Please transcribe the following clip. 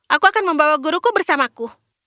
aku akan membawa guruku bersamaku